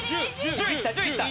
１０いった１０いった。